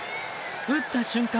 打った瞬間